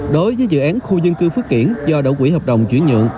đối với dự án khu dân cư phước kiển do đỗ quỹ hợp đồng chuyển nhượng